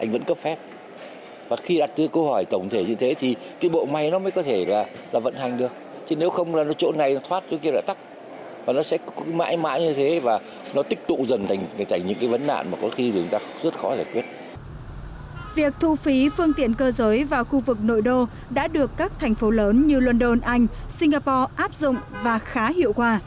việc thu phí phương tiện cơ giới vào khu vực nội đô đã được các thành phố lớn như london anh singapore áp dụng và khá hiệu quả